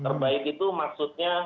terbaik itu maksudnya